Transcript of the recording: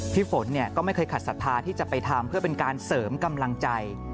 พี่ฝนก็ไม่เคยขัดศรัทธาที่จะไปทำเพื่อเป็นการเสริมกำลังใจ